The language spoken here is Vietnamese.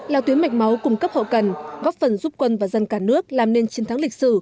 là tuyến mạch máu cung cấp hậu cần góp phần giúp quân và dân cả nước làm nên chiến thắng lịch sử